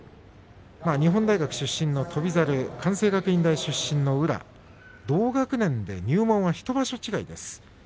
日本大学出身の翔猿関西学院大学出身の宇良同学年で入門が１場所違いです。